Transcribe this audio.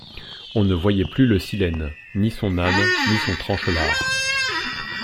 On ne voyait plus le Silène, ni son âne, ni son tranchelard.